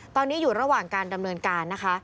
ตอนนี้อยู่ระหว่างการดำเนินการนะคะ